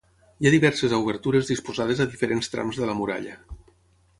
Hi ha diverses obertures disposades a diferents trams de la muralla.